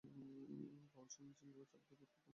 Launch, engine চালিত boat প্রধান যোগাযোগ মাধ্যম।